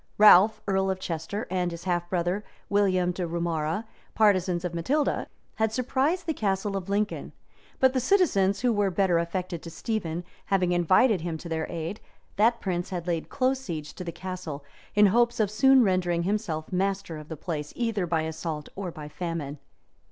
Ralph, earl of Chester, and his half brother, William de Roumara, partisans of Matilda, had surprised the Castle of Lincoln; but the citizens, who were better affected to Stephen, having invited him to their aid, that prince laid close siege to the castle, in hopes of soon rendering himself master of the place, either by assault or by famine.